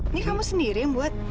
ini kamu sendiri yang buat